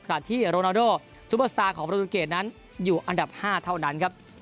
ที่โรนาโดซูเปอร์สตาร์ของโปรตูเกตนั้นอยู่อันดับ๕เท่านั้นครับ